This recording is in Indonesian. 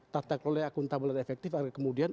tata oleh akuntabilitas efektif kemudian